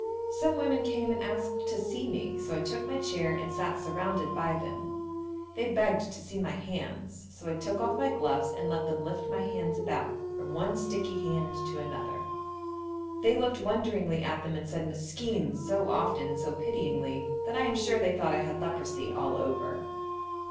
Some women came and asked to see me, so I took my chair and sat surrounded by them. They begged to see my hands, so I took off my gloves and let them lift my hands about from one sticky hand to another. They looked wonderingly at them and said 'Meskin' so often and so pityingly that I am sure they thought I had leprosy all over.